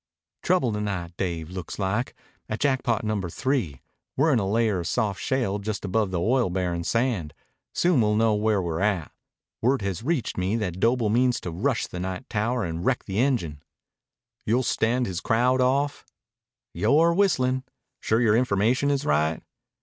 "Trouble to night, Dave, looks like. At Jackpot Number Three. We're in a layer of soft shale just above the oil bearin' sand. Soon we'll know where we're at. Word has reached me that Doble means to rush the night tower and wreck the engine." "You'll stand his crowd off?" "You're whistlin'." "Sure your information is right?"